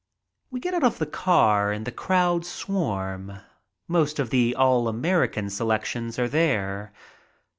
We get out of the car and the crowds swarm. Most of the "all American" selections are there.